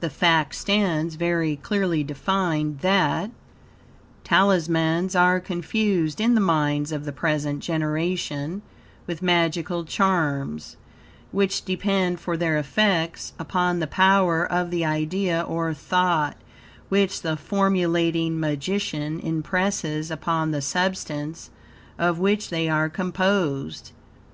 The fact stands very clearly defined that, Talismans are confused in the minds of the present generation with magical charms, which depend for their effects, upon the power of the idea or thought, which the formulating magician impresses upon the substance of which they are composed.